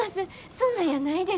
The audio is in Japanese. そんなんやないです。